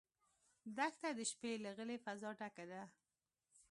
دښته د شپې له غلې فضا ډکه ده.